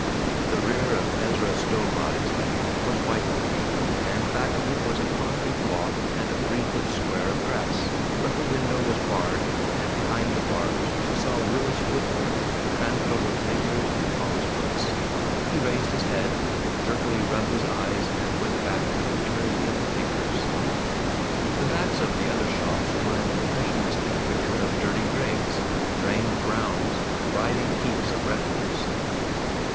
The rear of Ezra Stowbody's bank was whitewashed, and back of it was a concrete walk and a three foot square of grass, but the window was barred, and behind the bars she saw Willis Woodford cramped over figures in pompous books. He raised his head, jerkily rubbed his eyes, and went back to the eternity of figures. The backs of the other shops were an impressionistic picture of dirty grays, drained browns, writhing heaps of refuse.